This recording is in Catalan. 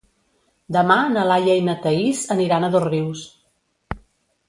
Demà na Laia i na Thaís aniran a Dosrius.